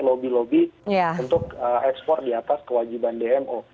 lobby lobby untuk ekspor di atas kewajiban dmo